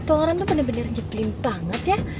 tuh orang tuh bener bener nyebelin banget ya